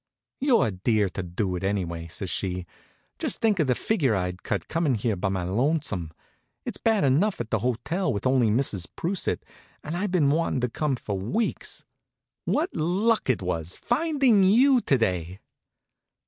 "You're a dear to do it, anyway," says she. "Just think of the figure I'd cut coming here by my lonesome. It's bad enough at the hotel, with only Mrs. Prusset. And I've been wanting to come for weeks. What luck it was, finding you to day!"